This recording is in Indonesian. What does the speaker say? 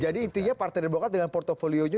jadi intinya partai yang dibawakan dengan portfolio nya